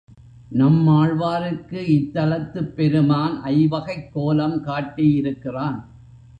நம்மாழ்வாருக்கு இத்தலத்துப் பெருமான் ஐவகைக் கோலம் காட்டியிருக்கிறான்.